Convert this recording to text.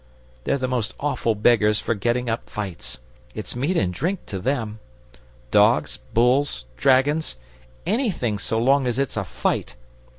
They're the most awful beggars for getting up fights it's meat and drink to them. Dogs, bulls, dragons anything so long as it's a fight.